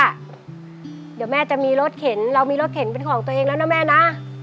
เดี๋ยวแม่จะมีรถเข็นเรามีรถเข็นเป็นของตัวเองแล้วนะแม่นะ